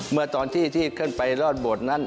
เมื่อตอนที่ที่ขึ้นไปรอดโบสถนั้น